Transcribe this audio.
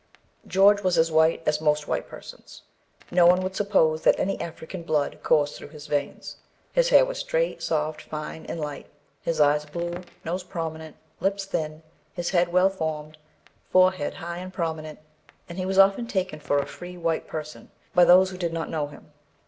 George was as white as most white persons. No one would suppose that any African blood coursed through his veins. His hair was straight, soft, fine, and light; his eyes blue, nose prominent, lips thin, his head well formed, forehead high and prominent; and he was often taken for a free white person by those who did know him.